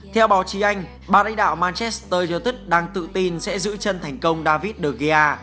theo báo chí anh bà lãnh đạo manchester united đang tự tin sẽ giữ chân thành công david de gea